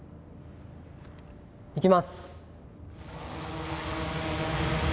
いきます。